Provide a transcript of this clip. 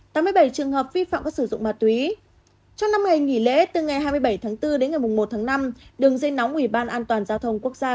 trong năm ngày nghỉ lễ từ ngày hai mươi bảy tháng bốn đến ngày một tháng năm đường dây nóng ủy ban an toàn giao thông quốc gia